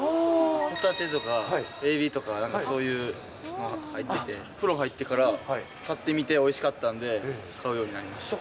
ホタテとか、エビとか、なんかそういうの入ってて、プロ入ってから、買ってみておいしかったんで、買うようになりました。